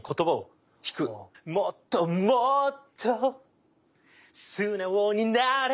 もっともっとすなおになれ